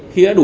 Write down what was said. khi đã đủ